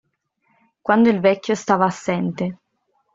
Quando il vecchio stava assente.